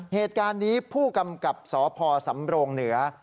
เหตุการณ์นี้ผู้กำกับสพสำโรงเหนือ